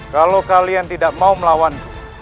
kalau kalian tidak mau melawanku